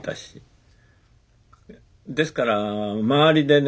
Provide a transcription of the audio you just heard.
ですから周りでね